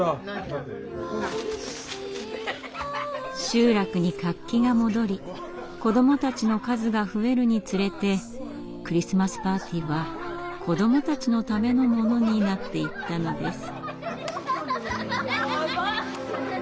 集落に活気が戻り子どもたちの数が増えるにつれてクリスマスパーティーは子どもたちのためのものになっていったのです。